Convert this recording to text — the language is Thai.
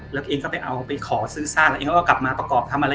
แล้วเองก็ไปเอาไปขอซื้อสร้างแล้วเองก็เอากลับมาประกอบทำอะไร